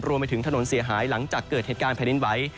รวมไปถึงถนนเสียหายหลังจากเกิดเหตุการณ์แผ่นดินไหว